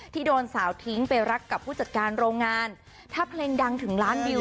โดนสาวทิ้งไปรักกับผู้จัดการโรงงานถ้าเพลงดังถึงล้านวิว